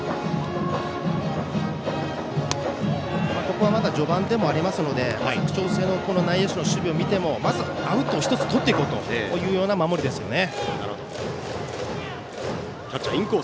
ここはまだ序盤でもありますので佐久長聖の内野手の守備を見てもまずアウト１つとっていこうという守りですね。